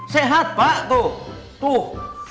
sehat pak tuh tuh